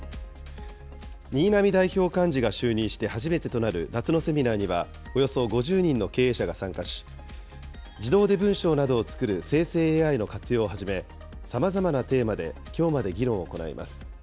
新浪代表幹事が就任して初めてとなる夏のセミナーには、およそ５０人の経営者が参加し、自動で文章などを作る生成ＡＩの活用をはじめ、さまざまなテーマできょうまで議論を行います。